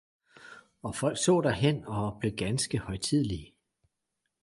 og folk så derhen, og blev ganske højtidelige.